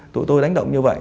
tụi tôi đánh động như vậy